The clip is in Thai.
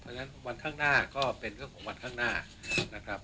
เพราะฉะนั้นวันข้างหน้าก็เป็นเรื่องของวันข้างหน้านะครับ